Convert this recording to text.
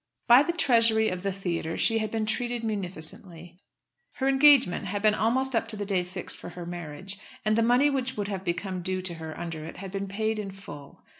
By the treasury of the theatre she had been treated munificently. Her engagement had been almost up to the day fixed for her marriage, and the money which would have become due to her under it had been paid in full.